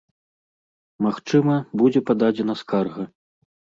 Магчыма, будзе пададзена скарга.